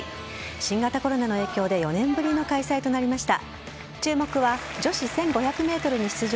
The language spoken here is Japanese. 新型コロナの影響で４年ぶりの開催となりました。